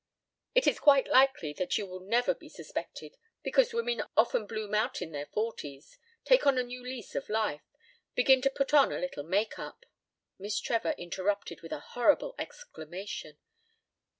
... It is quite likely that you will never be suspected, because women often bloom out in their forties, take on a new lease of life. Begin to put on a little make up " Miss Trevor interrupted with a horrified exclamation.